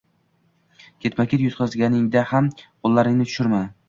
ketma-ket yutqazganingda ham, qo‘llaringni tushirma.